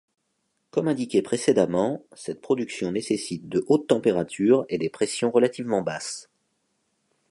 Comme indiqué précédemment, cette production nécessite de hautes températures et des pressions relativement basses.